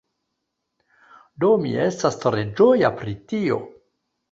Do mi estas tre ĝoja pri tio.